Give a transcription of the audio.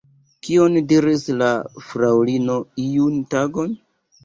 Kion diris la fraŭlino iun tagon?